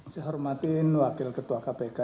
saya hormatin wakil ketua kpk